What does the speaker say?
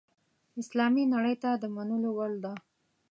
اسلامي نړۍ ته د منلو وړ ده.